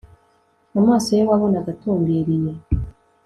amaso ye wabonaga atumbiriye